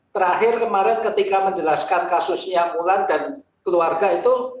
terakhir kemarin ketika menjelaskan kasusnya mulan dan keluarga itu